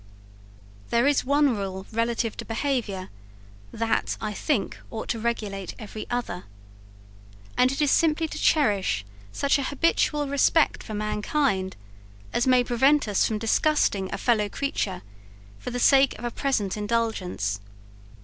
There is one rule relative to behaviour that, I think, ought to regulate every other; and it is simply to cherish such an habitual respect for mankind, as may prevent us from disgusting a fellow creature for the sake of a present indulgence.